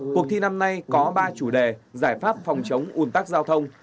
cuộc thi năm nay có ba chủ đề giải pháp phòng chống un tắc giao thông